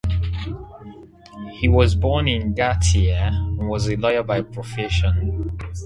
He was born in Ganthier and was a lawyer by profession.